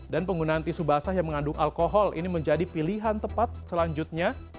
dan penggunaan tisu basah yang mengandung alkohol ini menjadi pilihan tepat selanjutnya